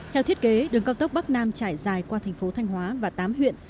theo thiết kế đường cao tốc bắc nam trải dài qua thành phố thanh hóa và tám huyện